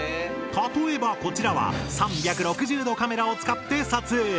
例えばこちらは３６０°カメラを使って撮影。